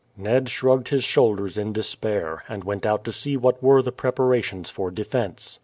Ned shrugged his shoulders in despair, and went out to see what were the preparations for defence.